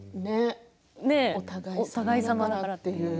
お互い様だからという。